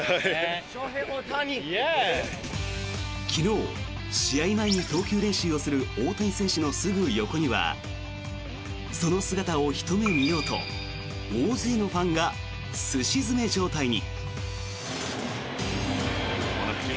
昨日、試合前に投球練習をする大谷選手のすぐ横にはその姿をひと目見ようと大勢のファンがすし詰め状態に。